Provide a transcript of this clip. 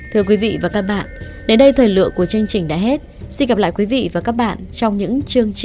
thưa quý vị và các bạn đến đây thời lượng của chương trình đã hết xin gặp lại quý vị và các bạn trong những chương trình